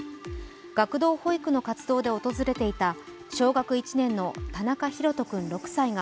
学童保育の活動で訪れていた小学１年の田中大翔君６歳が